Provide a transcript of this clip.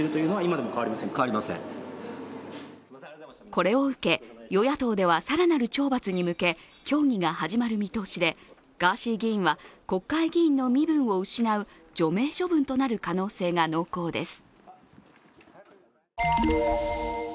これを受け、与野党では更なる懲罰に向け協議が始まる見通しでガーシー議員は、国会議員の身分を失う除名処分となる可能性が濃厚です。